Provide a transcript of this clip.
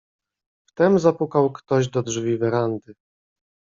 "Wtem zapukał ktoś do drzwi werandy."